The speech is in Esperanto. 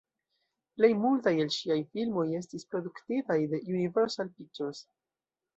Plej multaj el ŝiaj filmoj estis produktitaj de Universal Pictures.